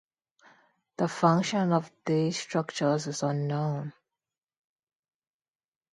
The function of these structures is unknown.